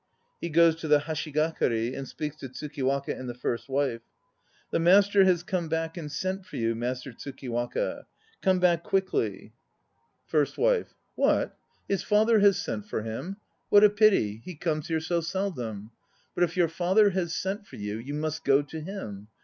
(He goes to the "hashigakari" and speaks to TSUKIWAKA and the FIRST WIFE.) The master has come back and sent for you, Master Tsukiwaka! Come back quickly! YUYA m:\m\i; THE LET1 i.n SUMMARIES 239 FIRST WIFE. What? His father has sent for him? What a pity; he comes here so seldom. But if your father has sent for you, you must go to him.